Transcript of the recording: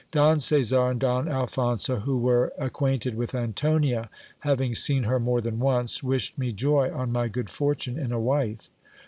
Don Caesar and Don Alphonso, who were ac quainted with Antonia, having seen her more than once, wished me joy on my good fortune in a wife.